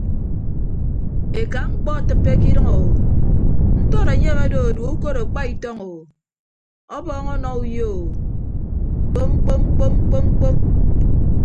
Eka mkpọ atịppe ke idʌñ o ntọd enyem odo edue ukod akpa itọñ o ọbọọñ ọnọ uyo o kpom kpom kpom kpom kpom.